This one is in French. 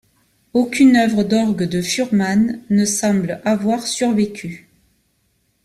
Aucune œuvre d'orgue de Fuhrmann ne semble avoir survécu.